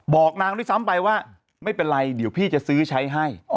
บอกนางด้วยซ้ำไปว่าไม่เป็นไรเดี๋ยวพี่จะซื้อใช้ให้